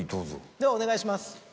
ではお願いします。